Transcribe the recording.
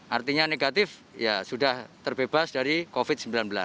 artinya negatif ya sudah terbebas dari covid sembilan belas